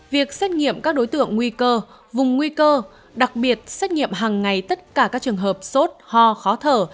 việc xét nghiệm các đối tượng nguy cơ vùng nguy cơ đặc biệt xét nghiệm hàng ngày tất cả các trường hợp sốt ho khó thở